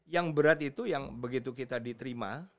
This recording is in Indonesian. yang berat itu yang begitu kita diterima